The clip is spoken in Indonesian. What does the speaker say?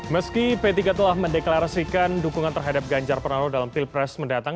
meski p tiga telah mendeklarasikan dukungan terhadap ganjar pranowo dalam pilpres mendatang